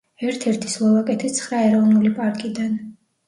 ერთ-ერთი სლოვაკეთის ცხრა ეროვნული პარკიდან.